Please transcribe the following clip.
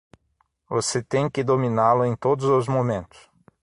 Você tem que dominá-lo em todos os momentos.